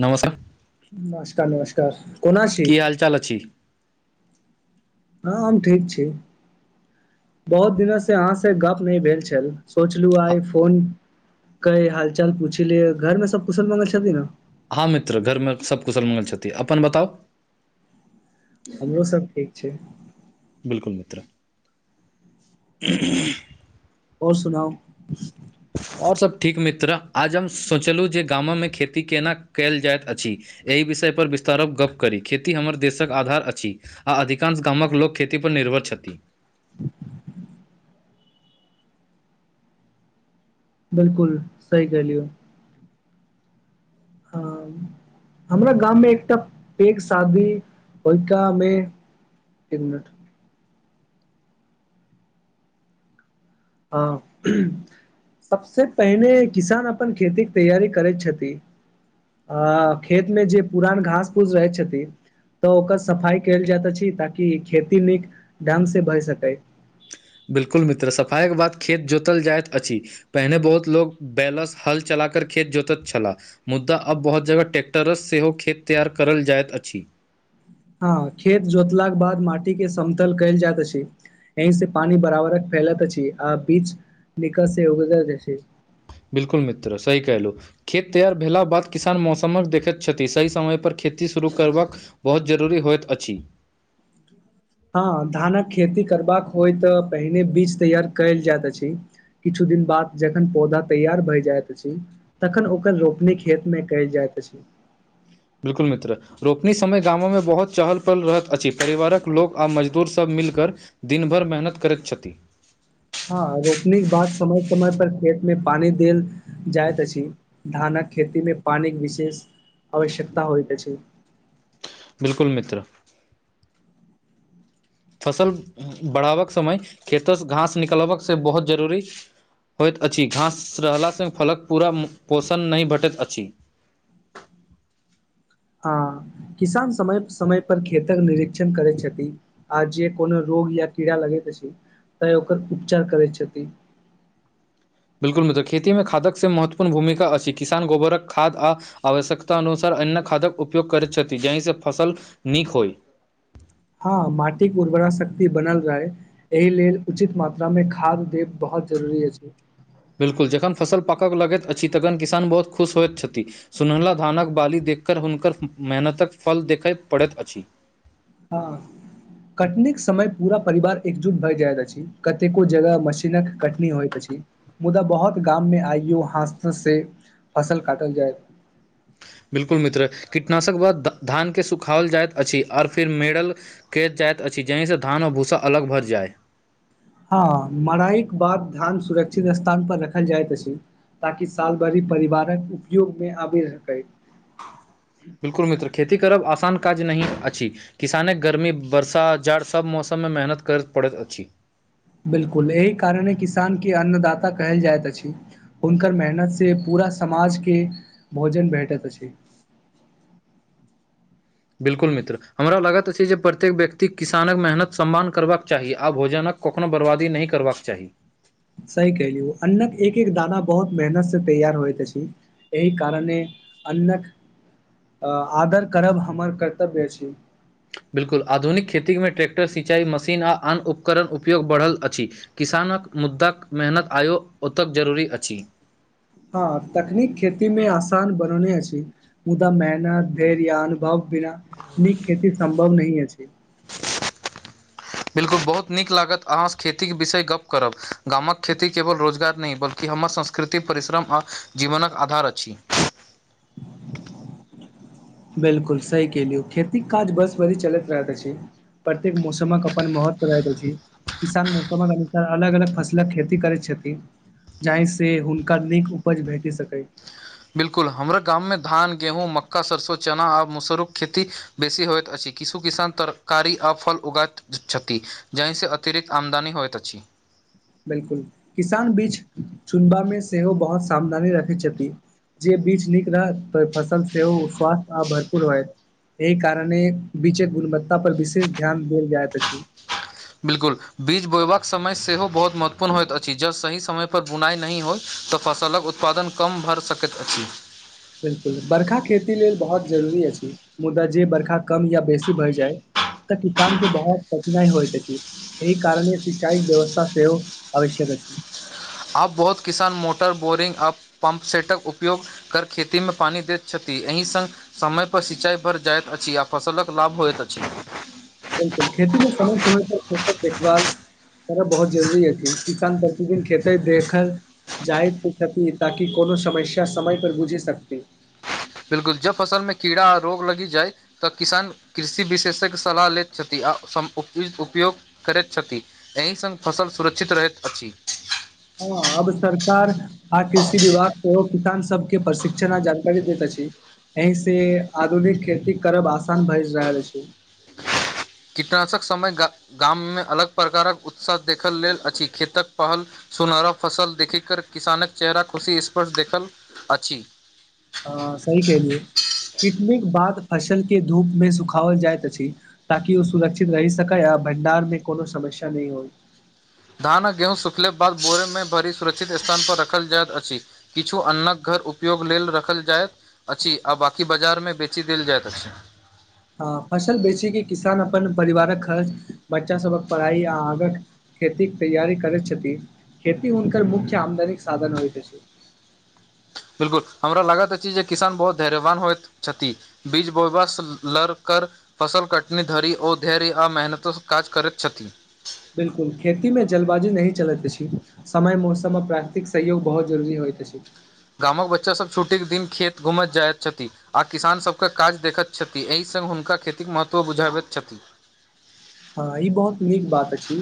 नम सर। नमस्कार नमस्कार कोन छी। चल छी। ह हम ठीक छी बहुत दिन से अहाँ से गप नहि भेल छल सोचलू आई फोन। कै हाल चाल पूछ ले घर मे सभ कुशल मंगल छथिन ने ह मित्र घरमे सभ कुशल मंगल छथिन अपन बताउ हमरो सभ ठीक छै बिल्कूल मित्र ओर सुनाउ ओर सभ ठीक मित्र आज हम सोचलहुँ जे गाम मे खेती केना कयल जाइत अछि एहि विषयपर विस्तार कऽ गप्प करी खेती हमर देशक आधार अछि। अधिकांश गाम कऽ लोक खेती पर निर्भर छथि [inaudible] बिल्कूल सही कहलियौ हमरा गाम मे एकटा पेघ शादी होइिका मे। एक मिनट। ह सभसे पहिने किसान अपन खेती के तैयारी करैत छथिन आ खेत मे जे पुरान घास फूस रहैत छथिन तऽ ओकर सफाई कयल जाइत अछि ताकि खेती नीक ढङंगसँ भए सकै बिल्कुल मित्र सफाई के बाद खेत जोतल जाइत अछि पहिने बहुत लोको बैलस हल चला कर खेत जोत छला मुद्दा आब बहुत जगह ट्रैक्टरस सेहो खेत तैयार करल जाइत अछि। हँ खेत जोतलाके बाद माटी के समतल कैल जाइत छै यहीं से पानी बराबर फैलत अछि आ बीच निकल से उगज छै बिल्कुल मित्र सही कहलहु खेत तैयार भेला बाद किसान मौसमक देखैत छथि सही समयपर खेती शुरू करबाक बहुत जरूरी होइत अछि हँ धानक खेती करबाक होइ तऽ पहिने बीज तैयार कयल जाइत अछि किछु दिन बाद जखन पौधा तैयार भए जाइत अछि तखन ओकर रोपनी खेत मे कल जायइत अछि बिल्कुल मित्र रोपनी समय गामोमे बहुत चहल पहल रहैत अछि परिवारक लोक आ मजदूरसभ मिलिकरऽ दिन भरि मेहनत करैत छथि हँ रोपने के बाद समय समय पर खेत मे पानी देल जाइत अछि धानक खेती मे पानिक विशेष आवश्यकता होइत अछि बिल्कुल मित्र फसल बढ़ाबक समय खेतोसँ घास निकलबकसँ बहुत जरूरी होइत अछि घास रहलासँ फलक पूरा पोषण नहि भेटैत अछि हँ किसान समय समय पर खेतक निर्षण करैत छथि आ जे कोनो रोग या कीड़ा लगैत अछि तऽ ओकर उपचार करैत छथिन बिल्कुल मित्र खेती मे खादक से महत्वपूर्ण भूमिका अछि किसान गोबरक खाद आ आवश्यकत अनुसार अन्य खादक उपयोग करैत छथि जाहिसँ फसल नीक होइ हँ माटिक उर्वरा शक्ति बनल रहै एहि लेल उचित मात्रा मे खाद देब बहुत जरूरी अछि बिल्कुल जखन फसल पाकऽ लगैत अछि तखन किसान बहुत खुश होइत छथि सुनहला धानक बाली देखकर हुनकर मेहनतक फल देखय पड़ैत अछि हँ कटन समय पूरा परिवार एकजुट भए जाइत अछि कतेको जगह मशीनक कटनी होइत अछि मुदा बहुत गाम में आइयो हस से फसल काटल जाय बिल्कुल मित्र कीटनाशक बाद धानके सुखाओल जाइत अछि आओर फेर मेरल कय जाइत अछि जाहिसँ धान आ भूस्सा अलग भरि जाय हँ मराईके बाद धान सुरक्षित स्थान पर रखल जाइत अछि ताकि साल भरि परिवारक उपयोगमे आबि सकै बिल्कुल मित्र खेती करब आसान काज नहि अछि किसाने गर्मी वरसा जाड़ सभ मौसममे मेहनत करैत पड़ैत अछि बिल्कुल एहि कारणे किसानके अन्नदाता कहल जाइत अछि हुनकर मेहनतसँ पूरा समाजके भोजन भेटैत अछि बिल्कुल मित्र हमरा लागैत अछि जे प्रत्येक व्यक्ति किसानक मेहनत सम्मान करबाक चाही आ भोजनक कखनोहु बर्बादी नहि करबाक चाही सही कहली अन्ननक एक एक दाना बहुत मेहनत से तैयार होएत अछि एहि कारणे अन्नक आदर करब हमर कर्तव्य अछि बिल्कुल आधुनिक खेतीमे ट्रैेक्टर सिचाई मशीन आ आन उपकरण उपयोग बढ़ल अछि किसानक मुद्दाक मेहनत आयो ओतेक जरूरी अछि हँ तकनीक खेती मे आसान बनौने अछि मुदा मेहनत धर या अनुभव बिना नीक खेती सम्भव नहि अछि बिल्कुल बहुत नीक लागत अहाँ खेतीक विषय गप्प करब गामक खेती केवल रोजगार नहि ब कि हमर संस्कृति परिश्रम आओ जीवनक आधार अछि बिलकुल सही केलियौ खेतीके काज बस भी चलैत रहैत अछि। प्रत्येक मौसमक अपन महत्व रहैत अछि। किसान मौसमक अनुसार अलग अलग फसलक खेती करैत छथि। जाहिसँ हुनका नीक उपज भेटि सकै। बिल्कुल हमरा गाममे धान गेहूँ मक्का सरसो चना आ मुसरू खेती बेसी होइत अछि किसु किसान तरकारी आ फल उगइत छथि जाहिसँ अतिरिक्त आमदानी होइत अछि बिलकुल किसान बीच चुनबा मे सेहो बहुत सावधानी रखै छथि। जे बीज नीक रहत तऽ फसल सेहो स्वास्थ्य आ भरपूर होयत। एहि कारणे बीचे गुणवत्ता पर विशेष ध्यान देल जायत अछि। बिल्कुल बीज बोयबाक समय सेहो बहुत महत्वपूर्ण होइत अछि ज सही समय पर बुनाई नहि होय तऽ फसलक उत्पादन कम भऽ सकैत अछि बिलकुल बर्खा खेती लेल बहुत जरूरी अछि मुदा जे बर्खा कम या बेसी भय जाय तऽ किसान के बहुत कठिनाई होइत अछि एहि कारण सिचाइ व्यवस्था सेहो आवश्यक अछि आब बहुत किसान मोटर बोरिंग आ पम्प सेटक उपयोग कर खेती मे पानी दैत छथि एहि संग समयपर सिंचाइ भर जाइत अछि आ फसलक लाभ होइत अछि। बिल्कुल खेती मे समय समय पर खेतक देखभाल करना बहुत जरूरी अछि किसान प्रतिदिन खेतै देखल जायत छति ताकि कोनो समस्या समय पर बुझि सकति बिलकुल जब फसल मे कीड़ा आ रोग लगी जाइ तऽ किसान कृषि विशेषज्ञ सलाह लैत छथि आ उपयोग करैत छथि। एहि सङ्ग फसल सुरक्षित रहैत अछि। हँ अब सरकार आ कृषि विभाग के सेहो किसान सबके प्रशिक्षणा आ जागरूकता कर दैत अछि एहि से आधुनिक खेती करब आसान भए रहल अछि। [inaudible] कीटनाशक समय गा गाममे अलग प्रकारक उत्साह देखल लेल अछि खेतक पहल सुनहरा फसल देखि कर किसानक चेहरा खुशी स्पर्श देखल अछि। अ सही कहलियौ कितनिक बाद फसल के धूप मे सुखाओल जाइत अछि ताकि ओ सुरक्षित रहि सकै आ भंडार मे कोनो समस्या नहि होइ धान आ गेहूँ स सुखलाक बाद बोरमे भरी सुरक्षित स्थान पर रखल जाइत अछि किछु अन्नक घर उपयोग लेल रखल जाय अच्छी आ बाकी बाजार मे बेची देल जायत अछि हँ फसल बेचि के किसान अपन परिवारक खर्च बच्चा सबक पढ़ाई आ आगक खेतीक तैयारी करैत छथि खेती हुनकर मुख्य आमदनीके साधन होइत अछि बिल्कुल हमरा लागत अछि जे किसान बहुत धैर्यवान होइत छथि बीज बोबस लड़ कर फसल कटनी धरि ओ धैर्य आ मेहनतसँ काज करैत छथि बिल्कुल खेती मे जल्दबाजी नही चलैत अछि। समय मौसम आ प्राकृतिक सहयोग बहुत जरूरी होइत अछि। गामक बच्चासभ छुट्टीके दिन खेत घूमैत जाइत छथि। आ किसान सभके काज देखत छथि एहि सङ्ग हुनका खेतीक महत्व बुझाबैत छथि हँ ई बहुत नीक बात अछि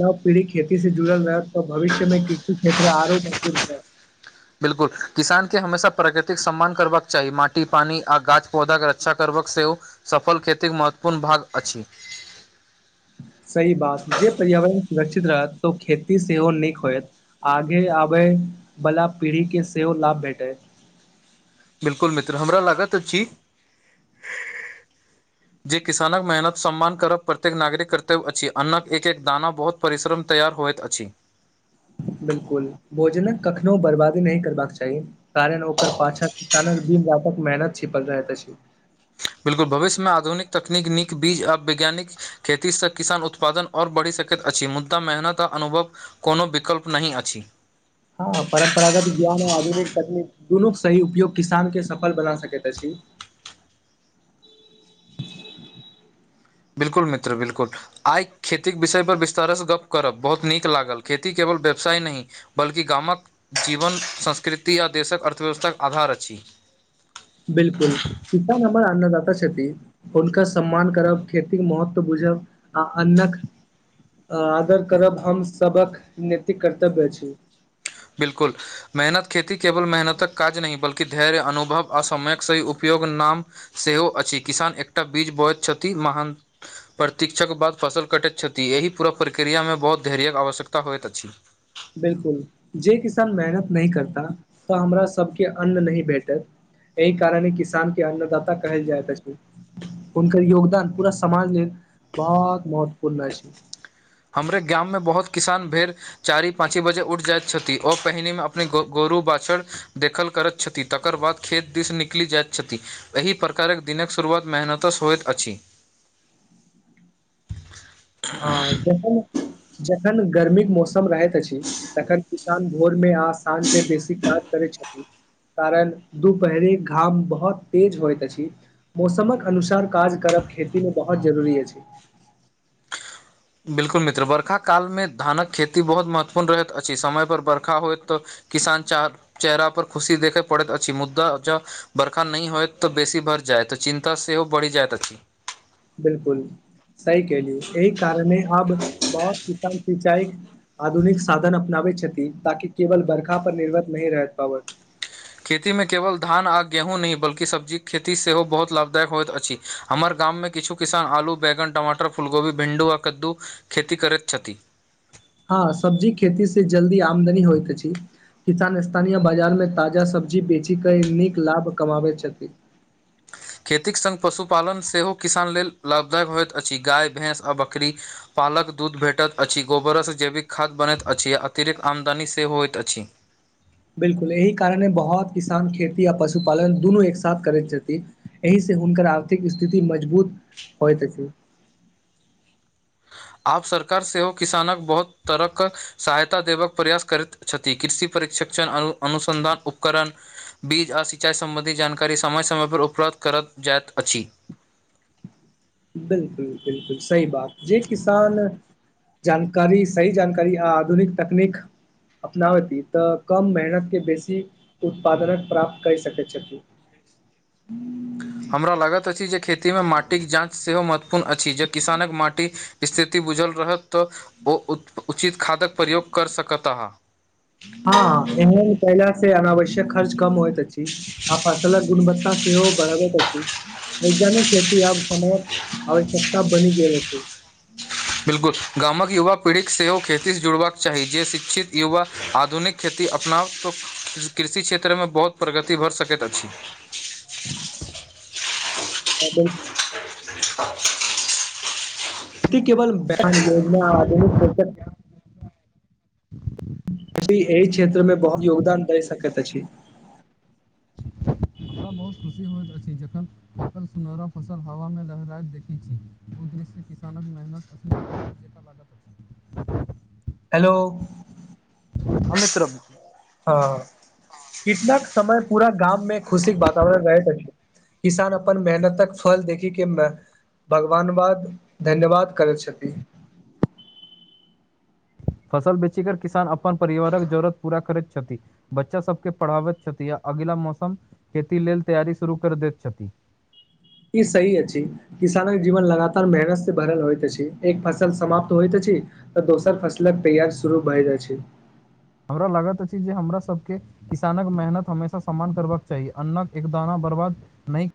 नव पीढ़ी खेती से जुड़ल रहत तऽ भविष्य मे कृषि क्षेत्र आरो प्रसिद्ध होयत। बिल्कूल किसान के हमेशा प्रकृतिक सम्मान करबाक चाही माटि पानी आ गाछ पौधा कऽ के रक्षा करबाक सेहो सफल खेती कऽ महत्वपूर्ण भाग अछि सही बात जे पर्यावरण सुरक्षित रहत तऽ ओ खेती सेहो नीक होयत। आगे आबे बाला पीढ़ी के सेहो लाभ भेटय बिल्कुल मित्र हमरा लागत छी। हा जे किसानक मेहनत सम्मान करब प्रत्येक नागरिक कर्तव्य अछि अन्न कऽ एक एक दाना बहुत परिश्रम तैयार होइत अछि। बिल्कुल भोजन कऽ कखनो बर्बादी नहि करबा कऽ चाही कारण ओकर पाछानल दिन रात कऽ मेहनत छिपकल रहै ती बिल्कूल भविष्य मे आधुनिक तकनीकऽ नीक बीज आ वैज्ञानिक खेतीसँ किसान उत्पादन ओर बढ़ि सकैत अछि मुद्दा मेहनत आ अनुभव कोनो विकल्प नहि अछि ह परम्परागत ज्ञान आधुनिक तकनीक दुनू कऽ सही उपयोग किसान के सफल बना सकैत अछि बिल्कुल मित्र बिल्कुल। आई खेती कऽ विषय पर विस्तारसँ गप्प करब बहुत नीक लागल खेती केवल व्यवसाय नहि बल्कि गाम कऽ जीवन संस्कृति आ देश कऽ अर्थव्यवस्थाक आधार अछि बिल्कूल कस नै हमर अन्नदाता छथिन हुनकर सम्मान करब खेती कऽ महत्व बुझब आ अन्नकऽ आदर करब हम सभ के नतिक कर्तव्य छी बिल्कूल मेहनत खेती केवल मेहनतक काज नहि बल धैर्य अनुभव आसयक सही उपयोग नाम सेहो अछि किसान एकटा बीज बयत क्षति महान। प्रतीक्ष कऽ बाद फसल कटैत छथि एहि पूरा प्रक्रिया मे बहुत धैर्य के आवश्यकता होइत अछि बिल्कूल जे किसान मेहनत नहिह करता तऽ हमरा सभके अन्न नहि भेटत एहि कारण हा किसान के अन्नदाता कहल जाय तऽ से हनक योगदान पूरा समाज लेलऽ बहुत महत्वपूर्ण छै हमरे गाम मे बहुत किसान बेर चारी पाँची बजे उठ जाइत छथिन, ओ पहिने मे अपने गोगोरु बाछड़ देखल करैत छथिन, तकर बाद खेत दिस निकलि जाइत छथि। एहि प्रकार कऽ दिनक शुरुआ तऽ मेहनतस होइत अछि [inaudible] ह जखन जखन गर्मी के मौसम रहैत अछि तखन किसान भोर मे आ साँझमे बेसी काज करै छथि कारण दुपहरी घाम बहुत तेज होइत अछि। मौसम कऽ अनुसार काज करब खेती मे बहुत जरूरी अछि। बिल्कुल मित्र बरखाकाल मे धान कऽ खेती बहुत महत्वपूर्ण रहैत अछि, समयपर बर्खा होइत तऽ किसान चेहरा पर खुशी देखे पड़ैत अछि, मुद्दा जे बर्खा नहि होयत तऽ बेसी भरि जाय, तऽ चिन्ता सेहो बढ़ि जायत अछि। बिल्कूल सही कहलिअ एहि कारणे अब बहुत किसान सिंचाई आधुनिक साधन अपनाबैत छथिन, ताकि केवल बर्खा पर निर्भर नहि रहैत पाबत। खेतीमे केवल धान आ गेहूँ नहि बल्कि सब्जी कऽ खेती सेहो बहुत लाभदायक होइत अछि। हमर गाममे किछु किसान आलू बैगन टमाटर फुलगोभी भिंडू आ कदू खेती करैत छथिन हँ सब्जी खेती से जल्दी आमदनी होइत अछि। किसान स्थानीय बाजार मे ताजा सब्जी बेची कऽ नीक लाभ कमाबैत छथि। खेतीक सङ्ग पशुपालन सेहो किसान लेल लाभदायक होइत अछि, गाय भैंस आ बकरी पालक दूध भेटैत अछि, गोबरसँ जैविक खाद्य बनैत अछि, आ अतिरिक्त आमदनी सेहो होइत अछि। बिल्कुल एहि कारणे बहुत किसान खेती आ पशुपालन दुनू एक साथ करैत छथिन। एहि से हुनकर आर्थिक स्थिति मजबूत होइत अछि। आब सरकार सेहो किसानक बहुत तरहके सहायता देबाक प्रयास करैत छथि, कृषि परिक्षक्षण अनु अनुसन्धान उपकरण बीज आ सिंचाइ सम्बन्धी जानकारी समय समयपर उपलब्ध करत जाइत अछि। बिल्कुल बिल्कुल सही बात जे किसान जानकारी सही जानकारी आधुनिक तकनीक अपना बेत अती तऽ कम मेहनत के बेसी उत्पादनक प्राप्त कै सकै छथि। हमरा लागत अछि, जे खेतीमे माटिक जाँच सेहो महत्वपूर्ण अछि, जे किसानक माटि स्थिति बुझल रहत तऽ ओ उत-उचित खादक प्रयोग कर सकत अहाँ। हँ एहन कईला से अनावश्यक खर्च कम होयत। अछि आ फसलक गुणवत्ता सेहो बढ़बैत वैज्ञानिक खेती आब समय आवश्यकता बनि गेल अछि। बिल्कुल गामक युवा पीढ़ीके सेहो खेतीसँ जुड़बाक चाही जे शिक्षित युवा आधुनिक खेती अपनाउ तऽ कृ कृषि क्षेत्रमे बहुत प्रगति भऽ सकैत अछि। हँ बिल्कुल [unintelligible] की केवल [unintelligible] योजना आधुनिक श्षक कृषि एहि क्षेत्र मे बहुत योगदान दैय सकैत अछि। तबबहुत खुशी होइत अछी जखन जखन सुनहरा फसल हवा मे लहराब देखय छी, उदृश्य किसानक मेहनत [unintelligible] हेलो हँ मित्र हँ कितनाक समय पूरा गाममे खुशीक वातावरण रहैत अछि। किसान अपन मेहनतक फल देखी के भगवान बाद धन्यवाद करैत छथि। फसल बेचीकर किसान अपन परिवारक जरूरत पूरा करैत छथि। बच्चा सबके पढ़ाबैत छथि, आअगिला मौसम खेती लेल तैयारी शुरू कर दैत छथि। ई सही अछि। किसान के जीवन लगातार मेहनत से भरल होइत अछि एक फसल समाप्त होइत अछि तऽ दोसर फसलक तैयार शुरू भए जाइ छै। हमरा लागत अछी, जे हमरा सबके किसानक मेहनत हमेशा सम्मान करबाक चाही अन्नाक एकदाना बर्बाद नहि